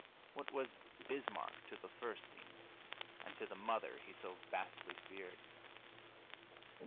What was Bismarck to the Fürstin, and to the mother he so vastly feared?